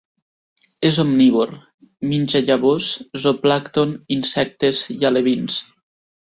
És omnívor: menja llavors, zooplàncton, insectes i alevins.